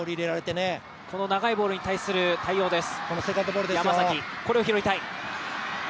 この長いボールに対する対応です。